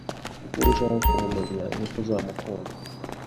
Uko urushaho kumumenya, niko uzamukunda.